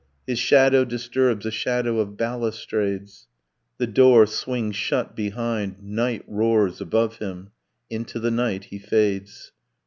His shadow disturbs a shadow of balustrades. The door swings shut behind. Night roars above him. Into the night he fades.